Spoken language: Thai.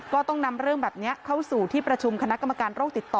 ก็ต้องนำเรื่องแบบนี้เข้าสู่ที่ประชุมคณะกรรมการโรคติดต่อ